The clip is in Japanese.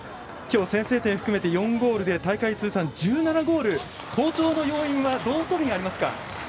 先制点含め４ゴールで大会通算１７ゴール好調の要因はどこにありますか？